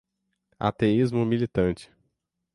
ateísmo militante